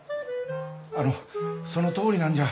あのそのとおりなんじゃ。